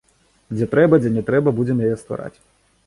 Дзе трэба, дзе не трэба, будзем яе ствараць.